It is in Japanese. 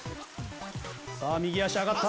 さあ右足上がった。